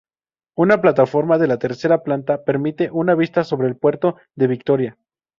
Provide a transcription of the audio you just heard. Una plataforma de la tercera planta permite una vista sobre el puerto de Victoria.